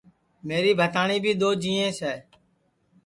میری بھتاٹؔی بھی دؔو جینٚیس ہے